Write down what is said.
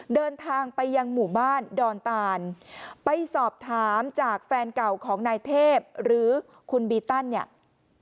เดินทางไปยังหมู่บ้านดอนตานไปสอบถามจากแฟนเก่าของนายเทพหรือคุณบีตันเนี่ย